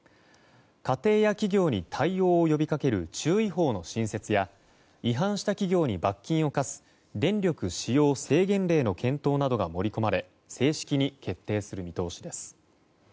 家庭や企業に対応を呼びかける注意報の新設や違反した企業に罰金を科す電力使用制限令の検討などが盛り込まれ正式に決定する見通しです。